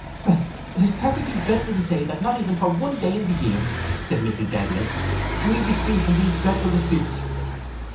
—Well, it is perfectly dreadful to say that not even for one day in the year, said Mrs Dedalus, can we be free from these dreadful disputes!